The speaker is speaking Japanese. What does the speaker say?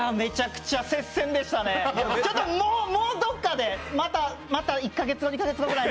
ちょっともう、どっかでまた１か月後、２か月後ぐらいに。